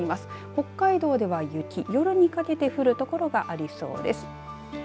北海道では雪、夜にかけて降る所がありそうです。